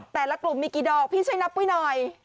แต่ละกลุ่มมีกี่ดอกพี่ช่วยนับไว้หน่อย